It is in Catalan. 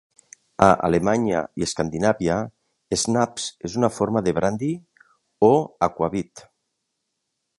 A Alemanya i Escandinàvia, "schnapps" és una forma de brandi o aquavit.